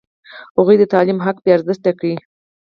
هغوی د تعلیم حق بې ارزښته کړ.